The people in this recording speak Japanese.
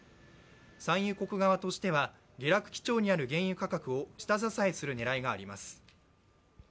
産油国側としては下落基調にある原油価格を下支えする狙いがあります。